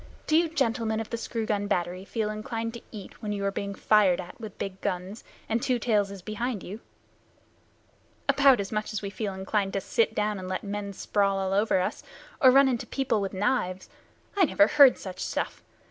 "Do you gentlemen of the screw gun battery feel inclined to eat when you are being fired at with big guns, and Two Tails is behind you?" "About as much as we feel inclined to sit down and let men sprawl all over us, or run into people with knives. I never heard such stuff.